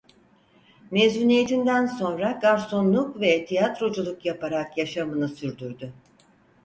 Mezuniyetinden sonra garsonluk ve tiyatroculuk yaparak yaşamını sürdürdü.